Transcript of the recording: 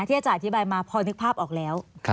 อาจารย์อธิบายมาพอนึกภาพออกแล้ว